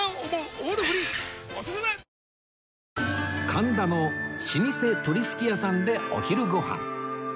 神田の老舗鳥すき屋さんでお昼ご飯